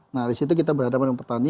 nah dari situ kita berhadapan dengan petani